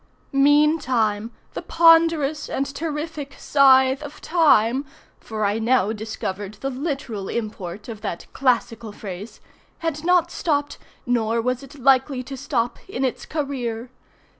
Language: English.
Meantime the ponderous and terrific Scythe of Time (for I now discovered the literal import of that classical phrase) had not stopped, nor was it likely to stop, in its career.